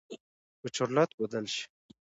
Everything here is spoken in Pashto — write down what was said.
به چورلټ بدل شي.